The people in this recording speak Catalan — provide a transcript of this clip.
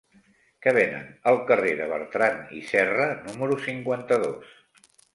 Què venen al carrer de Bertrand i Serra número cinquanta-dos?